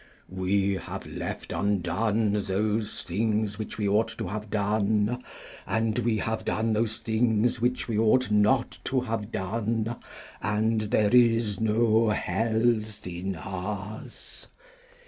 "We have left undone those things which we ought to have done; and we have done those things which we ought not to have done; and there is no health in us."